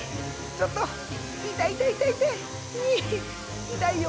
ちょっと痛い痛い痛いよ。